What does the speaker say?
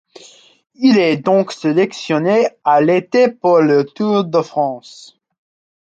Il est donc sélectionné à l'été pour le Tour de France.